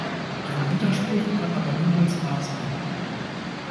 Ein Widerspruch kann aber niemals wahr sein.